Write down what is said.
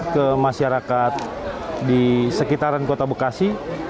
ke masyarakat di sekitaran kota bekasi